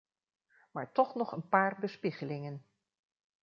Maar toch nog een paar bespiegelingen.